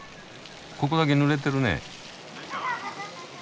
ここだけぬれてるね。